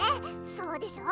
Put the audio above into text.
そうでしょ？